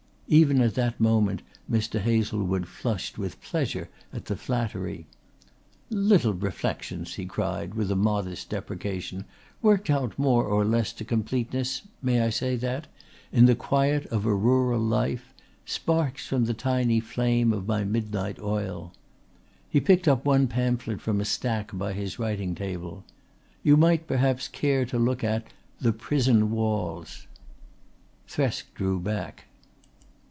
Even at that moment Mr. Hazlewood flushed with pleasure at the flattery. "Little reflections," he cried with a modest deprecation, "worked out more or less to completeness may I say that? in the quiet of a rural life, sparks from the tiny flame of my midnight oil." He picked up one pamphlet from a stack by his writing table. "You might perhaps care to look at The Prison Walls." Thresk drew back.